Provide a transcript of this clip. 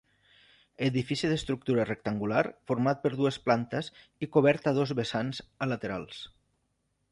Edifici d'estructura rectangular format per dues plantes i cobert a dos vessants a laterals.